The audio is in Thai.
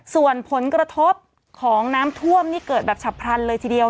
ส่วนผลกระทบของน้ำท่วมนี่เกิดแบบฉับพลันเลยทีเดียว